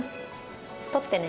太ってね。